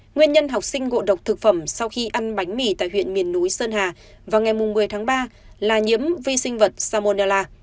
nguyên nhân học sinh ngộ độc thực phẩm sau khi ăn bánh mì tại huyện miền núi sơn hà vào ngày một mươi tháng ba là nhiễm vi sinh vật samonella